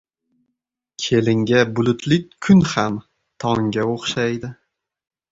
• Kelinga bulutli kun ham tongga o‘xshaydi.